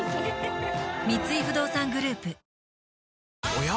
おや？